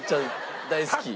大好き。